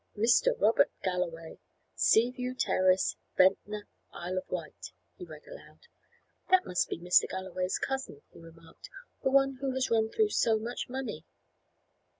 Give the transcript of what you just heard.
"Mr. Robert Galloway, Sea View Terrace, Ventnor, Isle of Wight," he read aloud. "That must be Mr. Galloway's cousin," he remarked: "the one who has run through so much money."